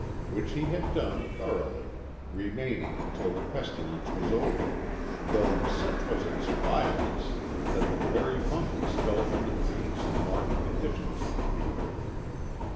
Which he had done thoroughly remaining until the pestilence was over, though such was its violence that the very monkeys fell from the trees in marked conditions of the fever.